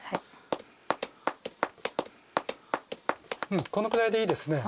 うんこのくらいでいいですね。